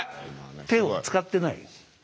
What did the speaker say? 手を扱ってない。